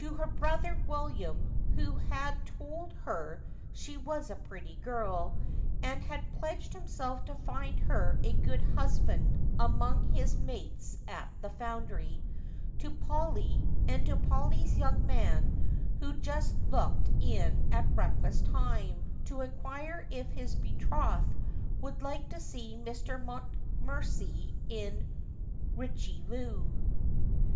329 her brother William, who had told her she was a pretty girl, and had pledged himself to find her a good husband among his mates at the foundry ; to Polly ; and to Polly's young man, who just looked in at breakfast time, to inquire if his betrothed would like to see Mr. Mountmorency in ' Eichyloo.'